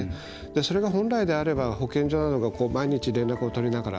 それが本来であれば保健所などが毎日連絡を取りながら。